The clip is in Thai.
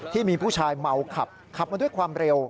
ที่มีผู้ชายเมาขับขับมาด้วยความเร็ว